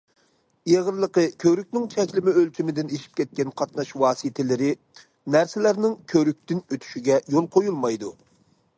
ئېغىرلىقى كۆۋرۈكنىڭ چەكلىمە ئۆلچىمىدىن ئېشىپ كەتكەن قاتناش ۋاسىتىلىرى، نەرسىلەرنىڭ كۆۋرۈكتىن ئۆتۈشىگە يول قويۇلمايدۇ.